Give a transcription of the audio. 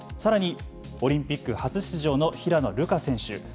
さらにオリンピック初出場の平野流佳選手。